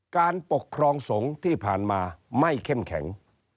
การปกครองสงฆ์ที่ผ่านมาไม่เข้มแข็ง